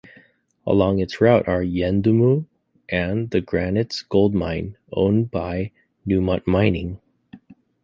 Along its route are Yuendumu and The Granites gold mine owned by Newmont Mining.